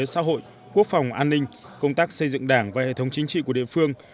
xã hội quốc phòng an ninh công tác xây dựng đảng và hệ thống chính trị của địa phương